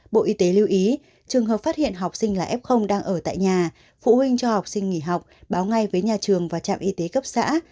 bộ y tế lưu ý trường hợp phát hiện học sinh là f đang ở tại nhà phụ huynh cho học sinh nghỉ học báo ngay với nhà trường và trạm y tế cấp xã